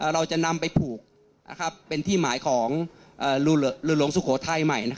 เราจะนำไปผูกเป็นที่หมายของเรือหลวงสุโขทัยใหม่